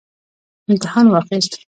امتحان واخیست